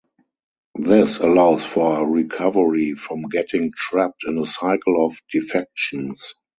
This allows for recovery from getting trapped in a cycle of defections.